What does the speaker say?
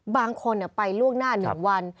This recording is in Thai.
บางคนไปล่วงหน้าหนึ่งวัน